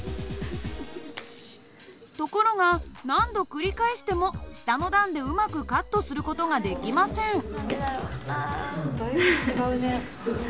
ところが何度繰り返しても下の段でうまくカットする事ができません。